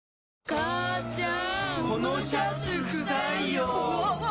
母ちゃん！